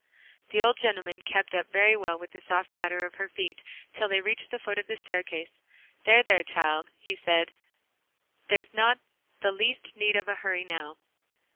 The old gentleman kept up very well with the soft patter of her feet till they reached the foot of the staircase. "There, there, child," he said, "there's not the least need of hurry now."